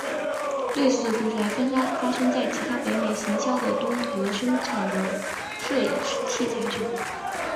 类似的故事还发生在其他北美行销的东德生产的摄影器材上。